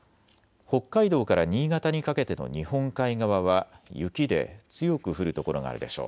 北海道から新潟にかけての日本海側は雪で強く降る所があるでしょう。